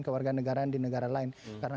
kewarganegaraan di negara lain karena